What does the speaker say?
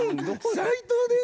斉藤です！」。